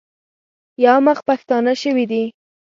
یو مخ پښتانه شوي دي.